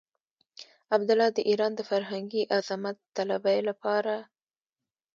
عبدالله د ايران د فرهنګي عظمت طلبۍ لپاره.